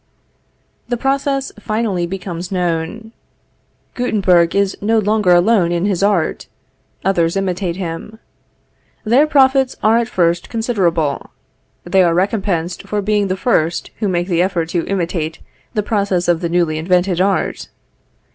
The process finally becomes known. Guttenberg is no longer alone in his art; others imitate him. Their profits are at first considerable. They are recompensed for being the first who make the effort to imitate the processes of the newly invented art.